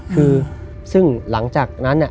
คือซึ่งหลังจากนั้น